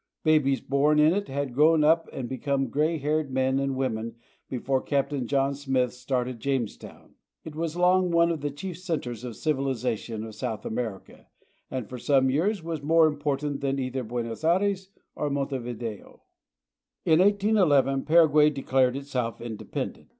Babies born in it had grown up and become gray haired men and women before Captain John Smith started James Street in Asuncion. town. It was long one of the chief centers of civilization of South America, and for some years was more important than either Buenos Aires or Montevideo. In 1811 Paraguay declared itself independent.